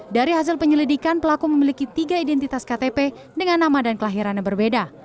dari hasil penyelidikan pelaku memiliki tiga identitas ktp dengan nama dan kelahirannya berbeda